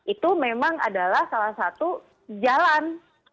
itu memang adalah salah satu jalan